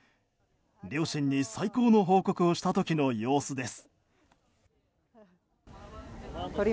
両親に最高の報告をした時の様子です。